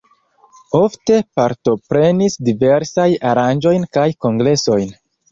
Ofte partoprenis diversajn aranĝojn kaj kongresojn.